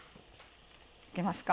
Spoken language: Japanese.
いけますか？